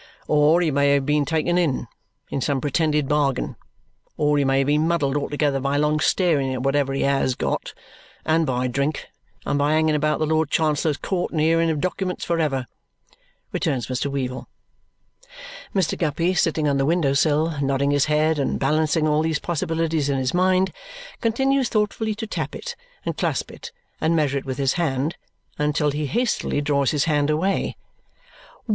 "Or he may have been taken in, in some pretended bargain. Or he may have been muddled altogether by long staring at whatever he HAS got, and by drink, and by hanging about the Lord Chancellor's Court and hearing of documents for ever," returns Mr. Weevle. Mr. Guppy sitting on the window sill, nodding his head and balancing all these possibilities in his mind, continues thoughtfully to tap it, and clasp it, and measure it with his hand, until he hastily draws his hand away.